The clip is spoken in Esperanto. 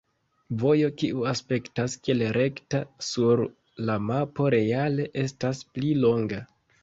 Vojo kiu aspektas kiel rekta sur la mapo reale estas pli longa.